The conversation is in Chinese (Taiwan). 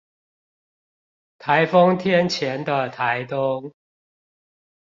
颱風天前的台東